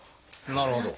なるほど。